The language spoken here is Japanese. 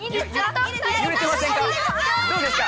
どうですか？